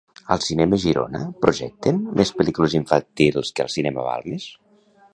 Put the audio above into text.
Als Cinemes Girona projecten més pel·lícules infantils que al cine Balmes?